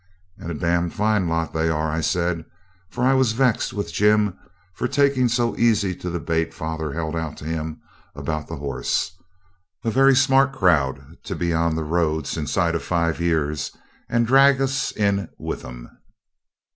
'And a d d fine lot they are,' I said, for I was vexed with Jim for taking so easy to the bait father held out to him about the horse. 'A very smart crowd to be on the roads inside of five years, and drag us in with 'em.'